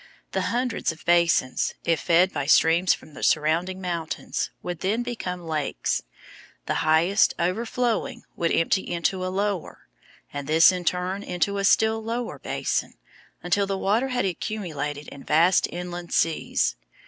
The hundreds of basins, if fed by streams from the surrounding mountains, would then become lakes. The highest, overflowing, would empty into a lower, and this in turn into a still lower basin, until the water had accumulated in vast inland seas.